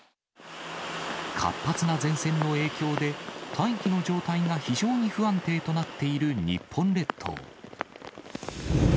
活発な前線の影響で、大気の状態が非常に不安定となっている日本列島。